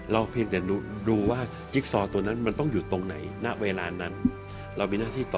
เพียงแต่ดูว่าจิ๊กซอตัวนั้นมันต้องอยู่ตรงไหนณเวลานั้นเรามีหน้าที่ต่อ